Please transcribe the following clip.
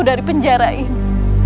dari penjara ini